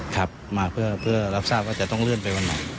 ครับมาเพื่อรับทราบว่าจะต้องเลื่อนไปวันไหน